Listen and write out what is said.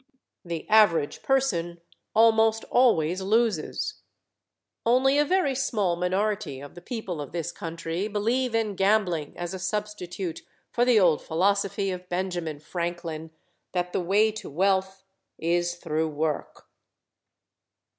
The average person almost always loses. Only a very small minority of the people of this country believe in gambling as a substitute for the old philosophy of Benjamin Franklin that the way to wealth is through work.